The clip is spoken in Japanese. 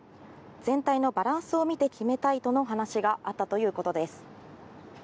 全体のバランスを見て決めたいとの話があったということです。